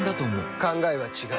考えは違う。